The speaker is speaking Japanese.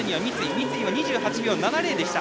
三井は２８秒７０でした。